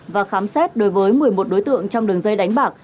và khám xét đối với một mươi một đối tượng trong đường dây đánh bạc